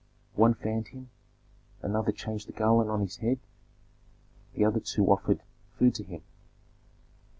One fanned him; another changed the garland on his head; the other two offered food to him.